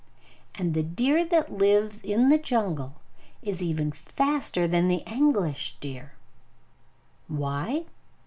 And the deer that lives in the jungle is even faster than the English deer. Why?